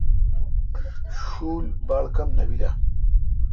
شول کم نہ بیل اؘ۔